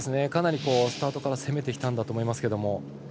かなリスタートから攻めていったんだと思います。